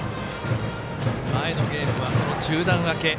前のゲームは中断明け。